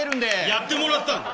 やってもらったの。